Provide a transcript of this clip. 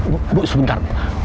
bu bu sebentar